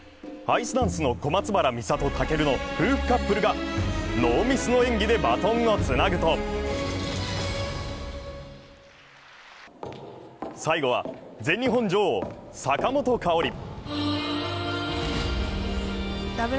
アイスダンスの小松原美里・尊の夫婦カップルがノーミスの演技でバトンをつなぐと最後は全日本女王・坂本花織。